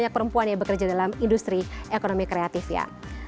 banyak perempuan yang bekerja dalam industri ekonomi kreatif ya